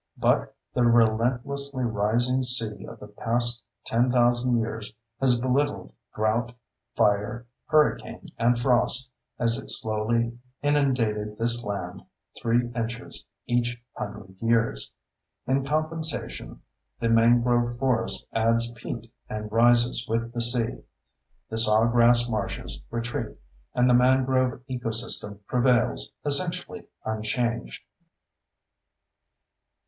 But the relentlessly rising sea of the past 10,000 years has belittled drought, fire, hurricane, and frost as it slowly inundated this land 3 inches each hundred years. In compensation, the mangrove forest adds peat and rises with the sea. The sawgrass marshes retreat, and the mangrove ecosystem prevails essentially unchanged.